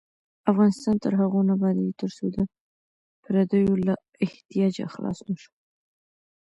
افغانستان تر هغو نه ابادیږي، ترڅو د پردیو له احتیاجه خلاص نشو.